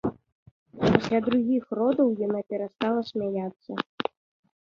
Пасля другіх родаў яна перастала смяяцца.